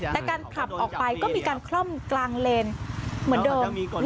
แต่การขับออกไปก็มีการคล่อมกลางเลนเหมือนเดิม